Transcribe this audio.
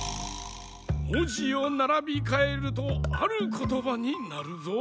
もじをならびかえるとあることばになるぞ。